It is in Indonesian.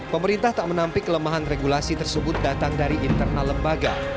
pemerintah tak menampik kelemahan regulasi tersebut datang dari internal lembaga